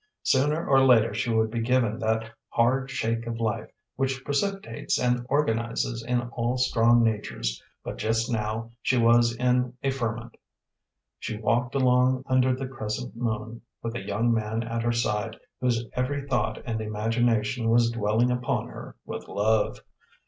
Sooner or later she would be given that hard shake of life which precipitates and organizes in all strong natures, but just now she was in a ferment. She walked along under the crescent moon, with the young man at her side whose every thought and imagination was dwelling upon her with love.